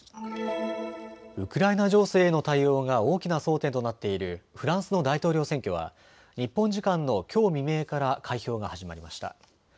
ウクライナ情勢への対応が大きな争点となっているフランスの大統領選挙は日本時間のきょう未明から開票が始まりました。